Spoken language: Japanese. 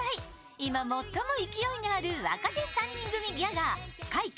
今最も勢いがある若手３人組ギャガー、怪奇！